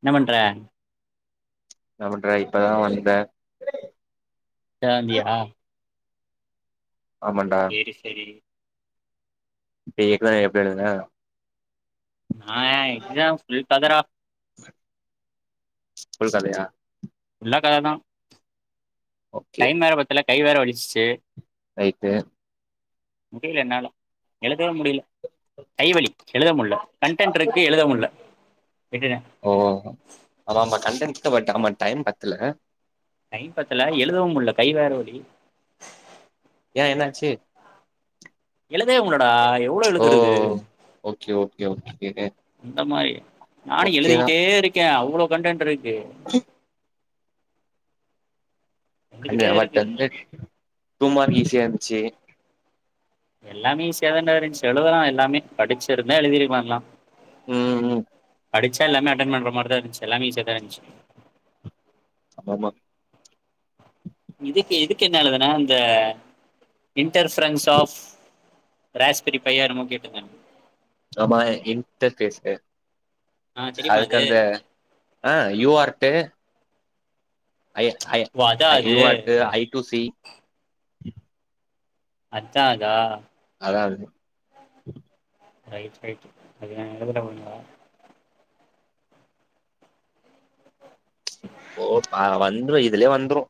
என்ன பண்ற என்ன பண்ற இப்பதா வந்த இப்பதா வந்தையா ஆமாண்டா சரி சரி எக்சாம் எப்படி எழுதுன நா எக்ஸாம் ஃபுல் கத டா ஃபுல் கதையா ஃபுல்லா கததா டைம் வேற பத்தல கை வேற வலிச்சுச்சு ரைட் முடியல என்னால எழுத முடியல கைவலி எழுத முடியல கன்டென்ட் இருக்கு எழுத முடியல ஓ அதாமா கண்டன் ப் ஆமா டைம் பத்துல டைம் பத்தல எழுதவும் முடில கை வேற வலி ஏ என்னாச்சு எழுதே முடிலாடா எவ்வளவு ஓ எழுதுறது ஓகே ஓகே ஓகே அந்த மாரி நானு ஓகேதா எழுதிக்கிட்டே இருக்கே அவளோ கண்டேன் இருக் ஏ [unintelligible] எழுதிக்கிட்டே இருக்கு டூ மார்க் ஈஸியா இருந்துச்சு எல்லாமே ஈசியாதாண்டா இருந்த்ச்சி எழுதலா எல்லாமே படிச்சுருந்தா எழுதிருக்கலா எல்லா உம் உம் படிச்சா எல்லாமே அட்டென் பண்ற மாரிதா இருந்துச்சு எல்லாமே ஈஸியாதா இருந்ச்சு ஆமாமா இதுக்கு இதுக்கு என்ன எழுதுன இந்த இன்டர்ஃப்ரன்ஸ் ஆஃப் ராஸ்பரி பையா என்னமோ கேட்ருந்தாங்க ஆமா இன்டர்ஃபேஸு ஆ தெரியுமா அது அதுக்கந்த ஆ யூ ஆர்ட்டு ஐ ஓ அதா ஐ அது யூ ஆட்டு ஐ டு சி அச்சா அதா அதா அது ரைட் ரைட் [unintelligible] ஓ ப வந்ரு இதுலயே வந்ரு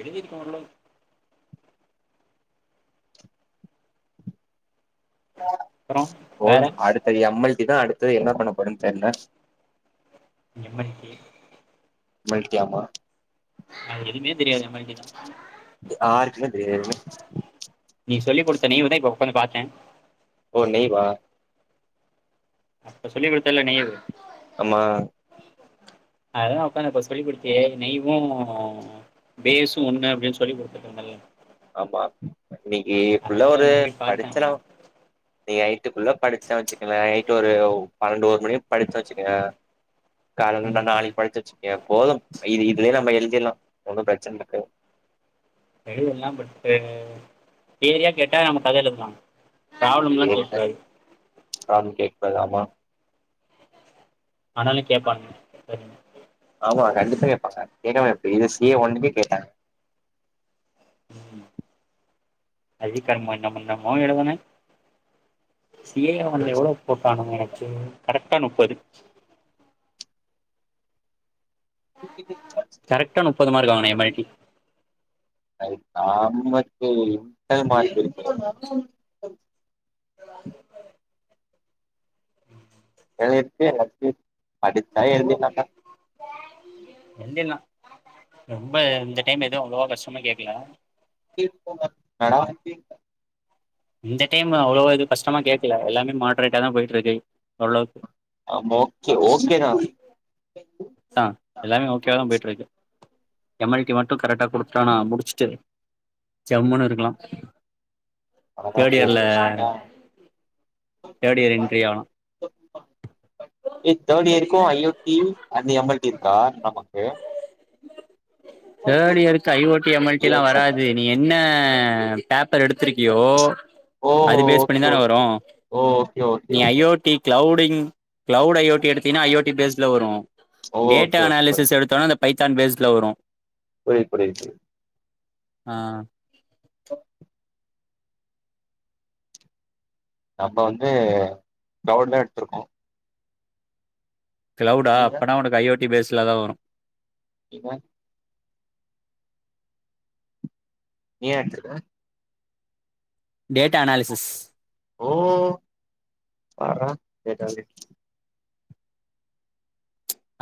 எழுதிருக்க ஓரளவுக் அப்புறம் போது வேற அடுத்து எம் எல் இதா அடுத்து என்ன பண்ணப்போறன் தெர்ல M L K M L K ஆமா அது எதுவுமே தெரியாது எம்எல்டி தான் ஆருக்குமே தெரியாது எதுமே நீ சொல்லி குடுத்த நேவுதா இப்ப உக்காந்து பாத்த ஓ நெய்வா அப்ப சொல்லி குடுத்தல்ல நேவு ஆமா அததா உக்காந்து இப்ப சொல்லி குடுத்தியே நெய்வு பேஸு ஒண்ணு அப்டின்னு சொல்லி குடுத்துட்ருந்தல்ல ஆமா இன்னைக்கு ஃபுல்லா அதான் ஒரு உட்காந்து மறுபடியும் பார்த்தேன் படிச்சலா இன்னைக் நைட் டுக்குள்ள படிச்ச வெச்சுக்கவே நைட் ஒரு பன்னண்டு ஒரு மணி வர படிச்ச வெச்சுக்கயே டாலனண்டா ம், நாளைக்கு படிச்ச வெச்சுக்கயே போதும் இது இதுவே நம்ம எழு திர்லா ஒன்னு பிரச்சன இருக்காது எழுதலா பட்டு ஏரியா கேட்டா நம்ம [unintelligible] எழுதலா இவங்கிட்ட ஆம் கேக்கூடாது ஆமா ஆனாலும் கேட்பானுங்க சரிங்க ஆமா கண்டிப்பா கேப்பாங்க எனா [unintelligible] ஒன்னுமே கேட்டாங்க [unintelligible] என்னமோ எழுதனே சி ஏ அவனுங்க எவ்வளோ போட்டானுங்க எனக்கு கரெக்டா நுப்பது கரெக்டா நுப்பது மார்க் வாங்குனே மயக்கி [unintelligible] இன்டர்ன் மார்க் இருக் [unintelligible] [unintelligible] படிச்சா எழுதிட்லான்டா எழுதிட்லா [unintelligible] ம்ப இந்த டைம் எதுவு அவ்ளோவா கஷ்டமா கேக் க்குல [unintelligible] மேடம் இந்த டைம் அவ்வளோ இது கஷ்டமா கே க்கல எல்லாமே மாடரேட்டா தான் போயிட்டு இருக்கு ஒருளவுக்கு ஆமா ஓகே ஓகே நா ச எல்லாமே ஓகோவாதான் போயிட்டு இருக்கு எமல்ட்டி மட்டும் கரெக்டா குடுத்தனா முடிச்சுட்டு ஜம்முனு இருக்கலாம் அவ்ளோ தான் தேர்ட் ப்ரோ இயர்ல முடிச்சிண்டிங்க தேர்ட் இயர் என்ட்ரி ஆகலாம் ஹே தேர்ட் இயர்கு ஐ ல் பி அஞ்சு ம்மல்ட்டி இருக்கா நமக்கு தேர்ட் இயருக்கு ஐஓட்டி எம்எல்ட்டி எல்லாம் ஈவென்ட் சென்டர் வராது நீ என்ன பேப்பர் எடுத்திருக்கியோ ஓ அது பேஸ் பண்ணி ஓகே தானே ஓகே வரும் ஓ ஓகே ஓகே நீ okay IoT cloud [unintelligible] cloud I O T எடுத்தின்னா ஐ ஓ டி பேஸ் இல வரும் ஓ டேட்டா ஓகே ஓகே அனாலிசிஸ் எடுத்தோன பைத்தான் பேஸ்ல வரும் புரிது புரிது புரிது ஆ நம்ம வந்து க்ளவுட்ல எடுத்திருக்கோம் கிளவுடா அப்பனா உனக்கு ஐ ஓ டி பேஸ்ல தான் வரும் நீங்க நீ என்ன எடுத்திருக்க டேட்டா அனாலிசிஸ் ஓ பார்றா ஓகே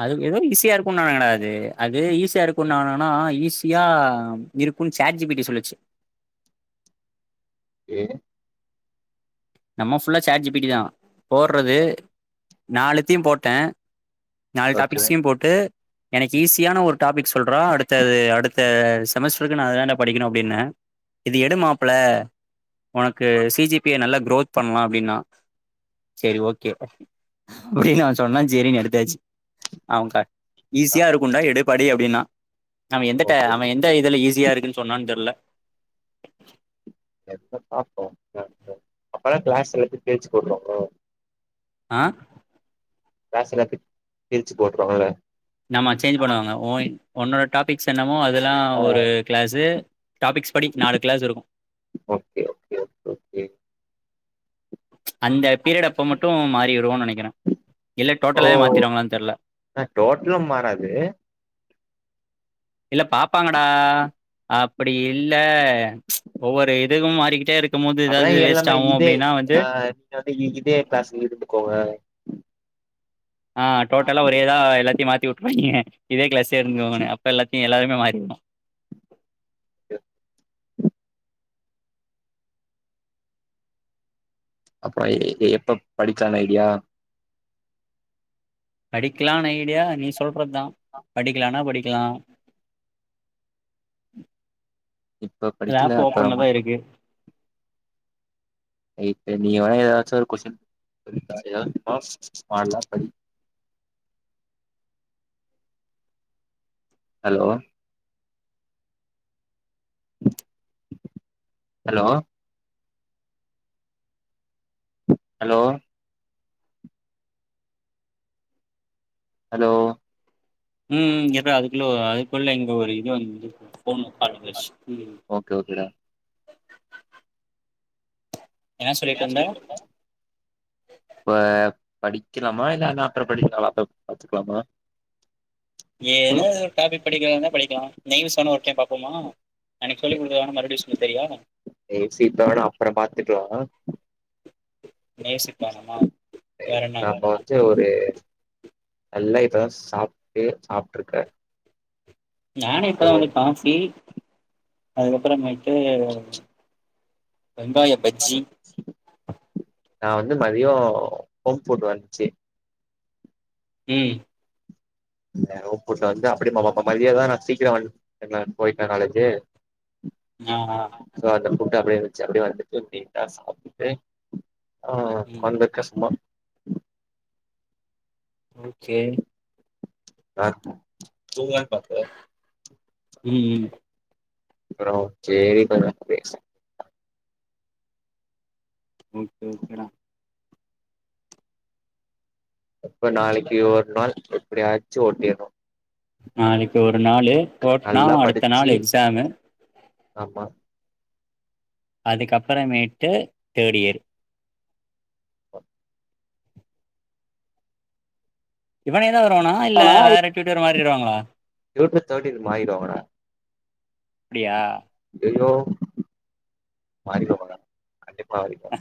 அது ஏதோ ஈஸியா இருக்கும் நானுங்கடா அது அது ஈஸியா இருக்கும் நானுங்கனா ஈஸியா இருக்கும்ன்னு சாட் ஜிபிடி சொல்லுச்சு ஏ நம்ம ஃபுல்லா சாட் ஜிபீட்டி தான் போடுறது நாலுத்தீயும் போட்டேன் நாலு டாபிக்சையும் போட்டு எனக்கு ஈஸியான ஒரு டாபிக் சொல்றா அடுத்தது அடுத்த செமஸ்டருக்கு நா அதாதான்டா படிக்கணும் அப்படின்ன இது எடு மாப்பள உனக்கு சிஜிபியே நல்ல பண்லாம் அப்படின்னா சரி ஓகே அப்படின்னு அவன் சொன்னா சேரினு எடுத்தாச்சு [unintelligible] ஈஸியா இருக்கும்ண்டா எடுபடி அப்படின்னா அவன் எந்த ட ஓகே அவன் எந்த இதுல ஈஸ் ஸ்யா இருக்குன்னு சொன்னான்னு தெரியல சாப்டோ கிளாஸ்ல அப்பல்லா கிளாஸ்ல [unintelligible] போட்டோம் ஆ க்லஸ் எல்லாத்து கிழிச்சு போட்டு வந்துருங்க நம்ம சேஞ்ச் பண்ணுவாங்க ஒயின் ஒண்ட பிக்ஸ் என்னமோ அதெல்லா ஆ ஒரு கிளாஸ்ஸு டாபிக்ஸ் படி நாலு கிளாஸ் இருக்கு ஓகே ஓகே ஓகே ஓகே அந்த பீரியட் அப்போ மட்டு மாறிடு நினைக்கிற இல்ல டோட்டல் லாவோ ஓ மாதிடுவங்களா தெரில ஆ டோட்டலா மாறாது இல்ல பாப்பாங்கடா அப் அப்படி இல்ல ஒவ்வொரு இதுவு மாறிக்கிட்டே இருக் அப்படினா எல்லாமே இதே ஆ நீங்க வந்து இதே கிளாஸ்ல இருந்துக்கோங்க ஆ டோட்டல்லா ஒரேதா எல்லாத்தையு மாத்தி [unintelligible] இதே கிளாஸ் [unintelligible] அப்ப எல்லாத்தையு எல்லா மாரிடு க அப்புறம் எப்ப படிச்சான் ஐடியா படிக்கலானு ஐடியா நீ சொல்றதுதா படிக்கலானா படிக்கலா இப்ப படிக்கல ஆப் அப்புறம் ஓபன்லதா இருக்கு இப்ப நீ வேணா ஏதாச்சு ஒரு கொஸின் [unintelligible] மாடலா படி ஹலோ ஹலோ ஹலோ ஹலோ உம் உம் இருர அதுக்குள்ள அதுக்குள்ள இங்க ஒரு இது வந்து போன் கான்பரன்ச உம் ஓகே ஓகேடா என்ன சொல்லிட்டு இருந்த? பா படிக்கலாமா இல்ல அனா அப்புறம் படிக்கலா பாத்துக்கலாமா படிக்கலா நீங்க சொன்னா ஒரு டைம் பாபோமா அன்னிக்கு சொல்லி கொடுத்து வென மறுபடி தரியா ஏ சி தான அப்புற பாத்துக்கலா நெய்வ்ஸுக்கு வேணாமா? வேற என்ன? நம்ம வந்து ஒரு நல்லா இப்தா சாப்ட்டு சாப்பிட்டு இருக்கே நானு இப்பதா வந்து காபி அதுக்கப்பறம் மேட்டு வெங்காய பஜ்ஜி நான் வந்து மதியம் ஹோம் ஃபுட் வந்துச்சு ம் ர போல வந்து அப்படிமா பாப்பா மதியாதான் நான் சீக்கிரம்னு வந் போயிட்டேன் காலேஜு ஆ ஆ [unintelligible] சத குட்டா பையனுக்கு [inaudible] ஆ ம் கொண்ட கஸ்மா [inaudible] ஓகே ஆ தூங்கலாம் பாத்த உம் உம் அப்பறம் சேரி கொஞ்ச நேரம் பேச ஓகே ஓகே டா இப்ப நாளைக்கு ஒரு நாள் எப்படியாச்சி ஓட்டிடணும் நாளைக்கு ஒரு ஒரு நாளு போட்டனா நல்லா அடுத்த படிச்சு நாள் எக்ஸாம் ஆமா அதுக்கப்புறமேட்டு தேர்ட் இயர் இவனே இவ வருவருனா இல்ல வேற டியூட்டர் மாரி வருவாங்களா த டின்டு து மாறிடுவாங்க டா அப்படியா ஐயோ மாறிக்க போறாங்க கண்டிப்பா அரைக்கும்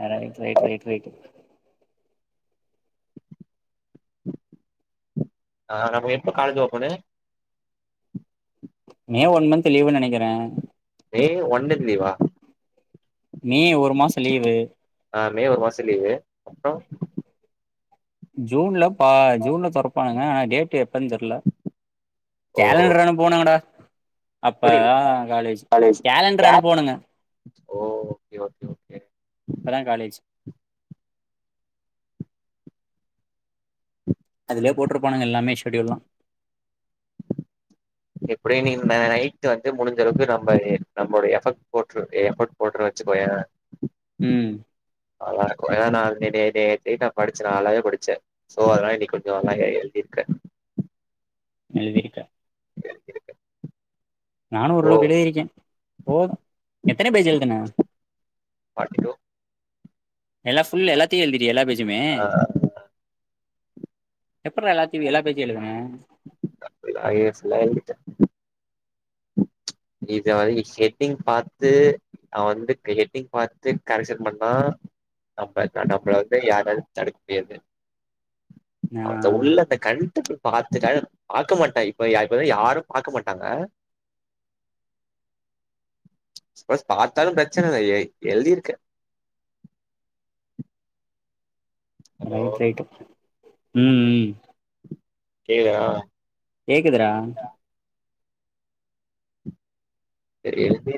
ஆ ரைட் ரைட் ரைட் ரைட் ஆ எப்ப college open May one month லீவுன்னு நெனைக்குறே மே ஒன்னு லீவா மே ஒரு மாச லீவு ஆ மே ஒரு மாச லீவு அப்றம் ஜூன்ல பா ஜூன்ல தொறப்பாங்க ஆ டேட் எப் தான் தெர்ல ஓ கேலண்டர் அனுப்புவானுங்கடா அப்ப புரில காலேஜ் கேலண்டர் அனுப்புவானுங்க ஓ ஓகே ஓகே ஓகே இப்பதா காலேஜ் அதுலயே போட்றுப்பானுங்க எல்லாமே ஷெடியூல்லா இப்டியே நீ நைட் வந்து முடிஞ்சளவுக்கு நம்ம நம்மோட எஃபர்ட் போட்று எஃபர்ட் போட்ற வச்சுகோயே ம் நல்லா இருக்கு. அ நா நே நே நே நே நைட்டு நா படிச்ச நானாவே படிச்சே சோ அதெல்லா இன்னிக் கொஞ்சோ நல்லா எழுதிருக்கே எழுதிருக்கே நானு சோ ஒரளவுக்கு எழுதிருக்கே போது எத்தன பேஜ் எழுதுன ஃபார்ட்டி டூ எல்லா ஃபுல் எல்லாத்தியு எழுதீட்டியா எல்லா பேஜுமே ஆ எப்புட்றா எல்லாத்தையு எல்லா பேஜ் எழுதுன லையர்ஸ் லைன் விட்டு இத வந்து ஹெட்டிங் பாத்து அவ வந்து ஹெட்டிங் பாத்து கரெக்சன் பண்ணா நம்ம நம்ள வந்து யாராலயு தடுக்கவே முடியாது நா அவ உள்ளத்த கண்டெ பாத்துட்டா பாக்க மாட்டாங். இப்ப யா யாரு பாக்க மாட்டாங்க அ சப்போஸ் பார்த்தாலு பிரச்சண இல்ல. எழுதி இருக்கே ரைட் ரைட்டு ம் ம் கேக்தா கேக்குதுறா செரி நீ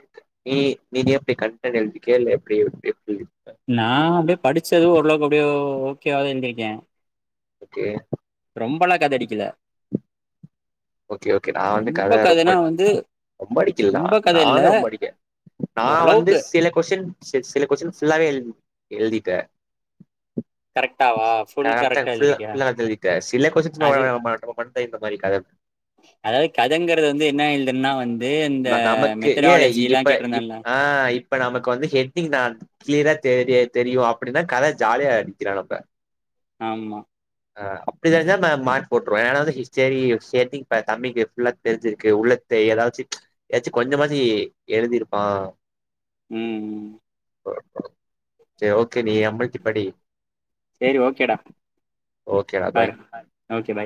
நீ நீ எப்டி கண்டென்ட் எழுதிருக்கியா இல்ல எப்டி எப்டி நா அப்டியே படிச்சது ஓரளவுக்கு அப்டியே ஓ ஓகேவாத எழுத்திருக்கே ஓகே ரொம்பலா கதடிக்கல ஓகே ஓகே நான் வந்து கதைய ரொம்ப வந்து ரொம்ப அடிக்கல ரொம்ப கத இல்ல நானும் ரொம்ப அடிக்கே நான் வந்து ஓரளவுக்கு சில கொஸின் சில கொஸின் ஃபுல்லாவே எழுதிட்டே கரெக்டாவா அ ஃபுல் கரெக்டா எழுதிருக்கியா ஃபுல்லா எழுதிட்டேன்சில குவெஷன்ஸ்ல அது மட்டும் கத கத அதாவது கதங்கறது வந்து என்ன எழுதுன்னா வந்து இந்த நமக்கு ஏ மெத்தடாலஜி எல்லா இப்ப இப் கேட்டிருந்தேன்ல ஆ இப் இப்ப நமக்கு வந்து ஹெட்டிங் நான் கிளியரா தெரிய தெரியும் அப்டின்னா கத ஜாலியா அடிக்கிளா நம்ப ஆமா ஆ அப்ப [unintelligible] மார்க் போட்டுருவே ஏனா வந்து செரி செரி தம்பிக்கு ஃபுல்லா தெரிஞ்சிருக்கு உள்ள த்த ஏதாச்சு ஏதாச்சும் கொஞ்சமாச்சி எழுதிருப்பான் ம் செர் ஓக் நீ எம் எள் படி சேரி ஓகேடா ஓகேடா பாய் பாரு ஓகே பாய்